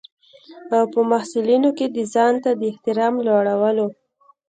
او په محصلینو کې د ځانته د احترام لوړولو.